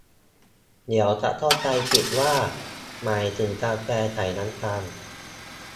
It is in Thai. เดี๋ยวจะเข้าใจผิดว่าหมายถึงกาแฟใส่น้ำตาล